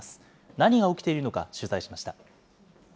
何が起きているのか取材しました。